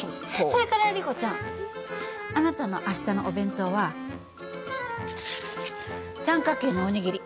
それからリコちゃんあなたの明日のお弁当は三角形のお握り。